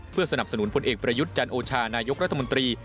เพื่อสนับสนุนพลเอกประยุทธ์จันโอชานายกรัฐมนตรี